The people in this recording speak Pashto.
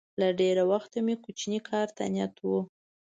له ډېره وخته مې کوچني کار ته نیت و